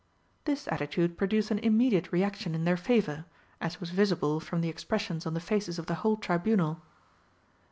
This attitude produced an immediate reaction in their favour, as was visible from the expressions on the faces of the whole Tribunal.